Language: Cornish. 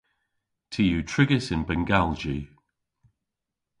Ty yw trigys yn bengalji.